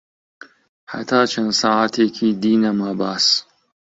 هەتا چەن ساعەتێکی دی نەما باس